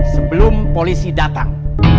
sebelum polisi datang